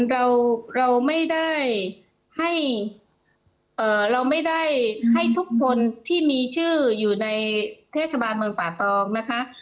เราเราไม่ได้ให้เราไม่ได้ให้ทุกคนที่มีชื่ออยู่ในเทศบาลเมืองป่าตองนะคะ